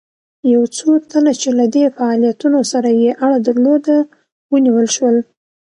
یو څو تنه چې له دې فعالیتونو سره یې اړه درلوده ونیول شول.